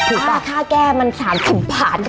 ถูกปะค่าแก้มันสารถึงผ่าน